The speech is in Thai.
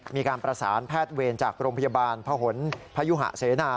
มีการประสานแพทย์เวรจากโรงพยาบาลพหนพยุหะเสนา